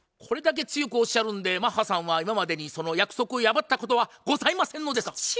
これだけ強くおっしゃるんでマッハさんは今までに約束を破ったことはございませんのですか？